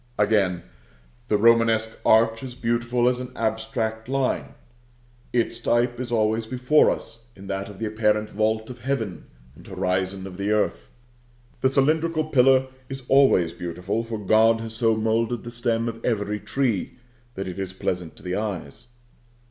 Again: the Romanesque arch is beautiful as an abstract line. Its type is always before us in that of the apparent vault of heaven, and horizon of the earth. The cylindrical pillar is always beautiful, for God has so moulded the stem of every tree that it is pleasant to the eyes.